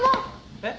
えっ？